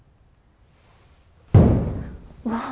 うわっ。